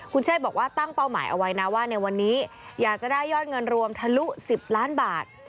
คุณเชษบอกว่าตั้งเป้าหมายเอาไว้นะว่าในวันนี้อยากจะได้ยอดเงินรวมทะลุ๑๐ล้านบาท